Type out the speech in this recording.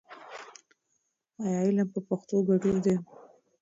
ایا علم په پښتو ګټور دی؟